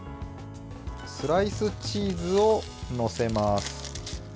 スライスチーズを載せます。